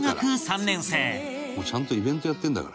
「もうちゃんとイベントやってるんだから」